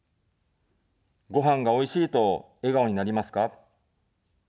ごはんがおいしいと笑顔になりますか。